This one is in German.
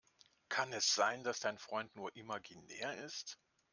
Kann es sein, dass dein Freund nur imaginär ist?